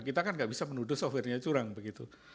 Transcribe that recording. kita kan enggak bisa menuduh softwarenya curang begitu